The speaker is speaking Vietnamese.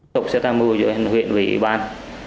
sự tục sẽ tăng mưu giữa hành vi huyện và ủy ban